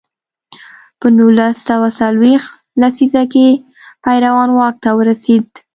په نولس سوه څلویښت لسیزه کې پېرون واک ته ورسېد.